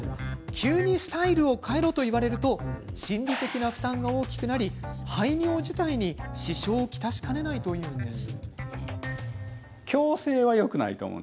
急にスタイルを変えろと言われると心理的な負担が大きくなり排尿自体に支障をきたしかねないというんです。